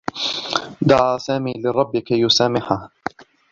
دعى سامي للرّبّ كي يسامحه.